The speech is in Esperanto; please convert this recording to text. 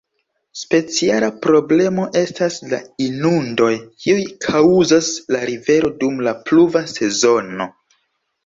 Speciala problemo estas la inundoj kiuj kaŭzas la rivero dum la pluva sezono.